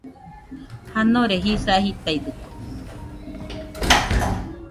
Janore jisa jitaidɨkue.